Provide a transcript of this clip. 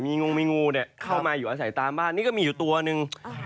งงมีงูเนี่ยเข้ามาอยู่อาศัยตามบ้านนี่ก็มีอยู่ตัวหนึ่ง